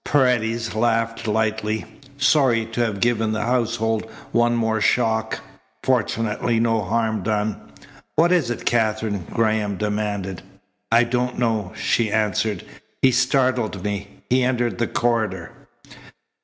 Paredes laughed lightly. "Sorry to have given the household one more shock. Fortunately no harm done." "What is it, Katherine?" Graham demanded. "I don't know," she answered. "He startled me. He entered the corridor."